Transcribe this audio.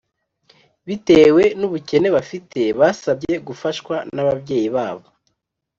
Bitewe n’ubukene bafite basabye gufashwa n’ababyeyi babo